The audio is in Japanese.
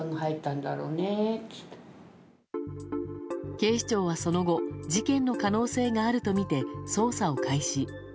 警視庁は、その後事件の可能性があるとみて捜査を開始。